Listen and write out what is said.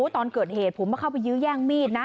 ตอนเกิดเหตุผมก็เข้าไปยื้อแย่งมีดนะ